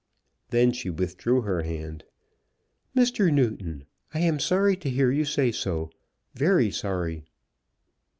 Then she withdrew her hand. "Mr. Newton, I am sorry to hear you say so; very sorry."